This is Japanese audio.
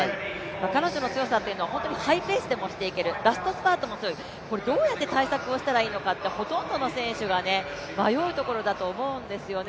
彼女の強さは本当にハイペースでも押していける、ラストスパートも強い、どうやって対策をしていいのかってほとんどの選手が迷うところだと思うんですよね。